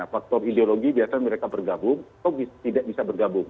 faktor ideologi biasa mereka bergabung atau tidak bisa bergabung